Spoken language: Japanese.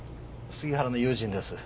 杉原の友人です。